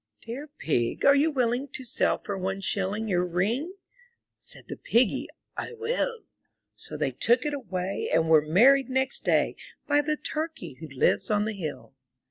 ''Dear Pig, are you willing to sell for one shilling Your ring?" Said the Piggy, '1 will." So they took it away, and were married next day By the Turkey who lives on the hill.